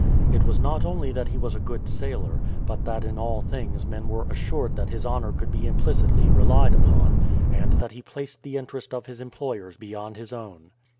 It was not only that he was a good sailor, but that in all things men were assured that his honour could be implicitly relied upon, and that he placed the interest of his employers beyond his own.